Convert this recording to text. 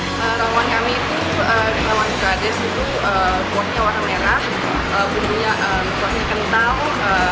rawon kami itu rawon kardes itu buahnya warna merah buahnya kental rasanya beda sempromo